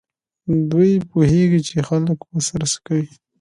دوی پوهېږي چې خلک ورسره څه کوي.